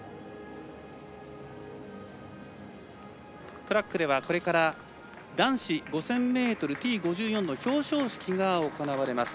トラックではこれから男子５０００ｍＴ５４の表彰式が行われます。